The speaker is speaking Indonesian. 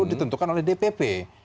ditentukan oleh dpp